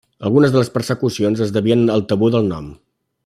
Algunes de les persecucions es devien al tabú del nom.